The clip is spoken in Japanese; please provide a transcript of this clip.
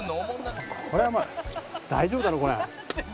これはまあ大丈夫だろこれ。